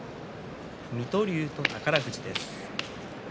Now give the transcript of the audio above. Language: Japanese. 水戸龍と宝富士です。